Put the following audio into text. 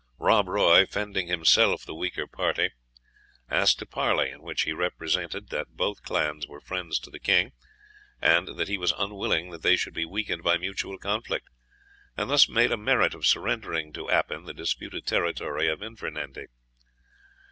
Rob Roy, fending himself the weaker party, asked a parley, in which he represented that both clans were friends to the King, and, that he was unwilling they should be weakened by mutual conflict, and thus made a merit of surrendering to Appin the disputed territory of Invernenty.